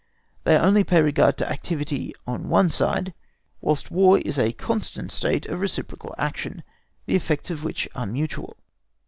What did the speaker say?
They only pay regard to activity on one side, whilst War is a constant state of reciprocal action, the effects of which are mutual.